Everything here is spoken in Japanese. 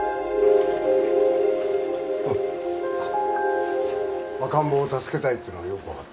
すみません赤ん坊を助けたいってのはよく分かった